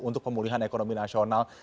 untuk pemulihan ekonomi nasional